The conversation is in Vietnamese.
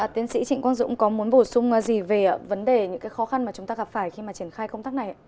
tiến sĩ trịnh quang dũng có muốn bổ sung gì về vấn đề những khó khăn mà chúng ta gặp phải khi mà triển khai công tác này ạ